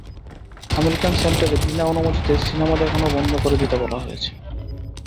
American সেন্টারে বিনা অনুমতিতে সিনেমা দেখানোও বন্ধ করে দিতে বলা হয়েছে।